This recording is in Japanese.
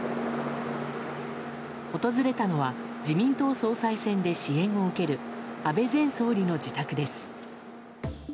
訪れたのは自民党総裁選で支援を受ける安倍前総理の自宅です。